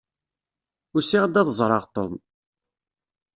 Usiɣ-d ad ẓṛeɣ Tom.